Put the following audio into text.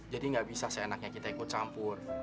jadi nggak bisa seenaknya kita ikut campur